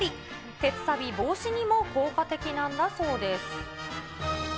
鉄さび防止にも効果的なんだそうです。